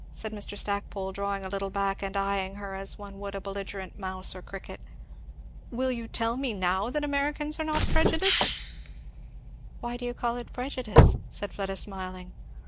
said Mr. Stackpole, drawing a little back and eying her as one would a belligerent mouse or cricket. "Will you tell me now that Americans are not prejudiced?" "What do you call prejudice?" said Fleda smiling.